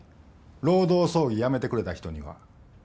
労働争議やめてくれた人には。